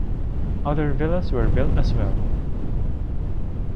Other villas were built as well.